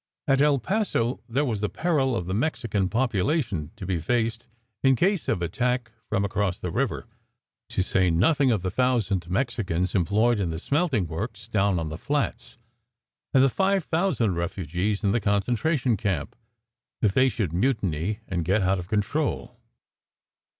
At El Paso there was the peril of the Mexican population to be faced in case of attack from across the river; to say nothing of the thousand Mexicans employed in the smelting works down on the flats, and the five thousand refugees in the concentration camp, if they should mutiny and get out of control.